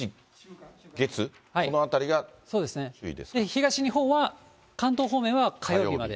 東日本は関東方面は火曜日まで。